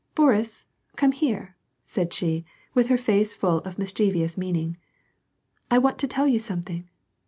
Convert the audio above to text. "Boris! Come here," said she, with her face full of mis chievous meaning. " 1 want to tell you something.